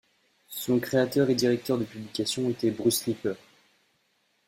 Son créateur et directeur de publication était Bruce Lepper.